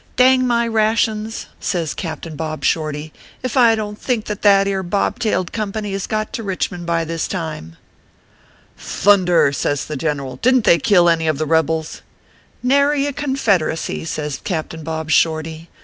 Dang my rations \" says 156 ORPHEUS C. KERR PAPERS. Captain Bob Shorty, "if I don t think that ere bob tailed company has got to Kichmond by this time/ " Thunder \" says the general., " didn t they kill any of the rebels ?"" Nary a Confederacy/ says Captain Bob Shorty.